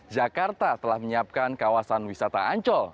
jakarta telah menyiapkan kawasan wisata ancol